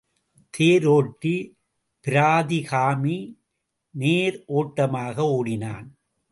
தேர் ஒட்டி பிராதிகாமி நேர் ஒட்டமாக ஓடினான்.